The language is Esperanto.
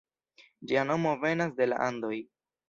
Ĝia nomo venas de la Andoj.